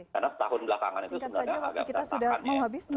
karena setahun belakangan itu sudah agak agak tertanggap ya